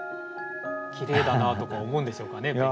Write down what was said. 「きれいだな」とか思うんでしょうかね